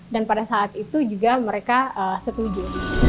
dan pada saat itu juga mereka setuju